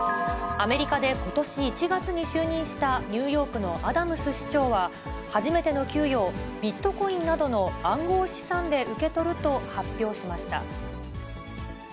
アメリカでことし１月に就任したニューヨークのアダムス市長は、初めての給与をビットコインなどの暗号資産で受け取ると発表しました。